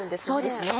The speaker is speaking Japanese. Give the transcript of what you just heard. そうです